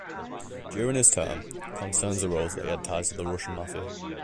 During his term, concerns arose that he had ties to the Russian mafia.